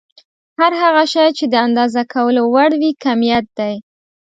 هر هغه شی چې د اندازه کولو وړ وي کميت دی.